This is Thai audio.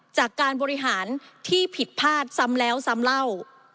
จากการบริหารที่ผิดพลาดซ้ำแล้วซ้ำเล่า